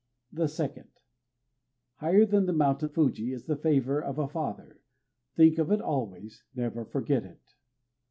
The second: Higher than the [mountain] Fuji is the favor of a father: Think of it always; never forget it.